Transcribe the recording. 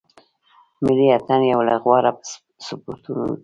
ملي اټن یو له غوره سپورټو دی.